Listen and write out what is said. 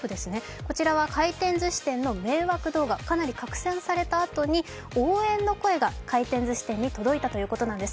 こちらは回転ずし店の迷惑動画、かなり拡散されたあとに応援の声が回転ずし店に届いたということなんです。